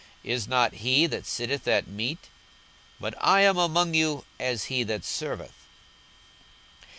is not he that sitteth at meat? but I am among you as he that serveth.